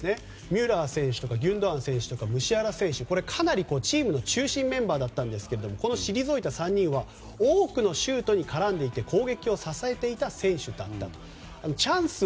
ミュラー選手とかギュンドアン選手とかムシアラ選手、かなりチームの中心メンバーだったんですがこの退いた３人は多くのシュートに絡んでいて攻撃を支えていた選手だった。